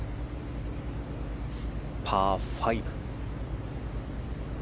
パー５。